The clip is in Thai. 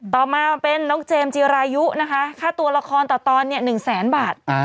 ต่อมาเป็นน้องเจมส์จีรายุนะคะค่าตัวละครต่อตอน๑แสนบาท